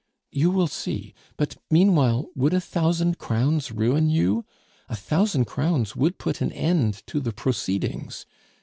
"You will see. But, meanwhile, would a thousand crowns ruin you? A thousand crowns would put an end to the proceedings.